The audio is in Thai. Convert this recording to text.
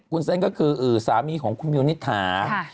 คุณเซนต์ก็คือสามีของคุณมิวนิษฐา